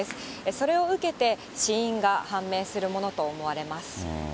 それを受けて、死因が判明するものと思われます。